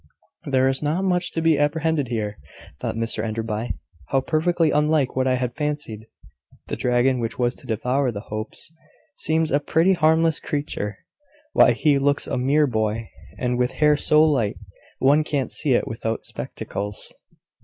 "There is not much to be apprehended here," thought Mr Enderby. "How perfectly unlike what I had fancied! This dragon, which was to devour the Hopes, seems a pretty harmless creature. Why he looks a mere boy, and with hair so light, one can't see it without spectacles.